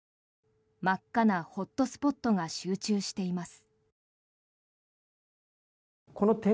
真っ赤なホットスポットが集中しています。